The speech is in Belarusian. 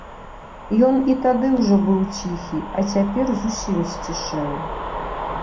Ён і тады ўжо быў ціхі, а цяпер зусім сцішэў.